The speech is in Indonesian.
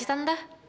biasa aja tante